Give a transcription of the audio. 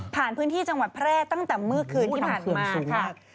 พื้นที่จังหวัดแพร่ตั้งแต่เมื่อคืนที่ผ่านมาค่ะ